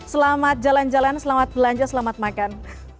selamat jalan jalan selamat belanja selamat makan